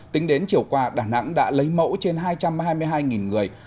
tính đến chiều qua đà nẵng đã lấy mẫu trên hai trăm hai mươi hai người